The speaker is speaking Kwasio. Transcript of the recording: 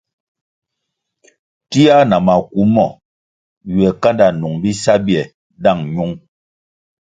Tia na maku mo ywe kanda nung bisa bie dáng ñung.